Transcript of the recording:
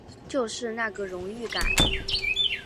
就是那个荣誉感